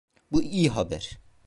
Bu iyi haber.